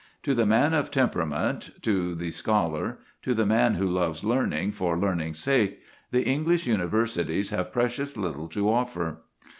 To the man of temperament, to the scholar, to the man who loves learning for learning's sake, the English universities have precious little to offer.